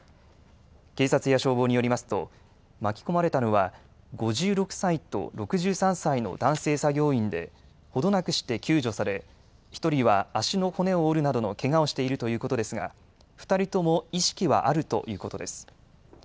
警察や消防によりますと巻き込まれたのは５６歳と６３歳の男性作業員で程なくして救助され１人は足の骨を折るなどのけがをしているということですが、２人とも意識はあるということです。